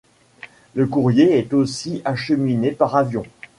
Le courrier est aussi acheminé par avion.